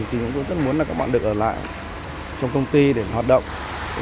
thì chúng tôi cũng rất muốn là các bạn được ở lại trong công ty để hoạt động